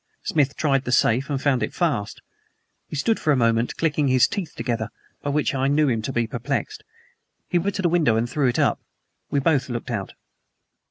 Smith tried the safe and found it fast. He stood for a moment clicking his teeth together, by which I knew him to be perplexed. He walked over to the window and threw it up. We both looked out.